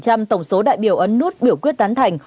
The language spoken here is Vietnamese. với chín mươi sáu tổng số đại biểu ấn nút biểu quyết tán thành